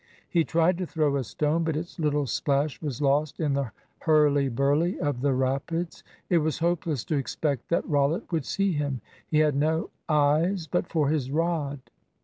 He tried to throw a stone, but its little splash was lost in the hurly burly of the rapids. It was hopeless to expect that Rollitt would see him. He had no eyes but for his rod.